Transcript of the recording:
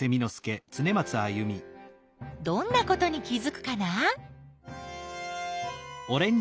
どんなことに気づくかな？